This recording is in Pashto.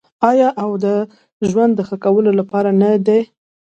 آیا او د ژوند د ښه کولو لپاره نه دی؟